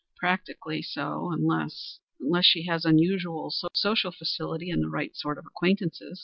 "Practically so, unless unless she has unusual social facility, and the right sort of acquaintances.